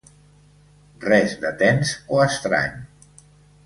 Res de tens o estrany.